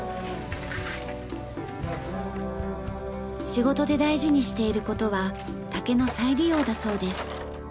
仕事で大事にしている事は竹の再利用だそうです。